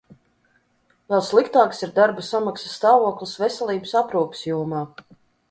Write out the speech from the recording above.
Vēl sliktāks ir darba samaksas stāvoklis veselības aprūpes jomā.